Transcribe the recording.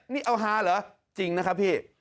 นี่เอาฮาเหรอจริงนะครับพี่